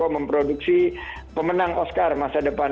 memproduksi pemenang oscar masa depan